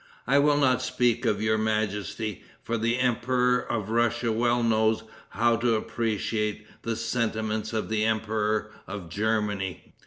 I will not speak of your majesty, for the Emperor of Russia well knows how to appreciate the sentiments of the Emperor of Germany.